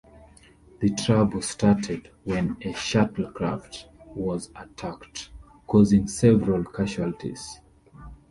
The trouble started when a shuttlecraft was attacked, causing several casualties.